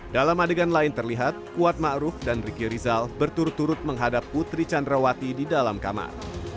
dalam adegan lain terlihat kuat ⁇ maruf ⁇ dan riki rizal berturut turut menghadap putri candrawati di dalam kamar